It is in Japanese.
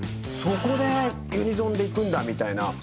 そこでユニゾンでいくんだみたいな。